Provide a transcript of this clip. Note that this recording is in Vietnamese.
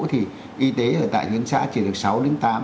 thì y tế ở tại tuyến xã chỉ được sáu đến tám